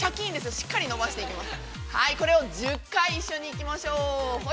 しっかり伸ばしていきます。